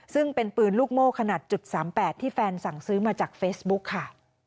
ซึ่งเป็นปืนลูกโม่ขนาด๓๘ที่แฟนสั่งซื้อมาจากเฟซบุ๊กค่ะ